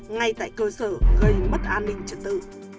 ngay tại cơ sở gây mất an ninh trật tự